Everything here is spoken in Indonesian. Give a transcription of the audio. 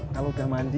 kalau udah mandi